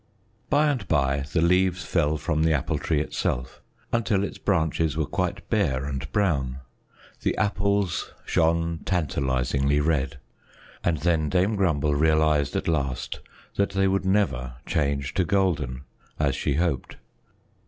By and by the leaves fell from the Apple Tree itself, until its branches were quite bare and brown. The apples shone tantalizingly red, and then Dame Grumble realized at last that they would never change to golden, as she hoped.